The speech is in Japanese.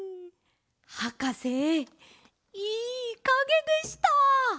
はかせいいかげでした！